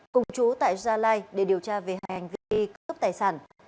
cùng chú tại gia lai để điều tra về hành vi cướp tài sản